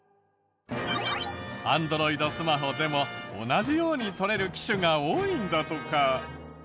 Ａｎｄｒｏｉｄスマホでも同じように撮れる機種が多いんだとか。